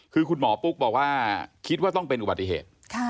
คือคุณหมอปุ๊กบอกว่าคิดว่าต้องเป็นอุบัติเหตุ